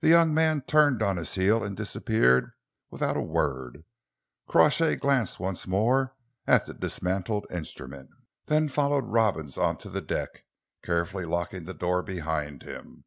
The young man turned on his heel and disappeared without a word. Crawshay glanced once more at the dismantled instrument, then followed Robins on to the deck, carefully locking the door behind him.